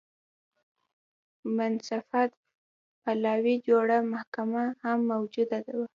منصفه پلاوي جوړه محکمه هم موجوده وه.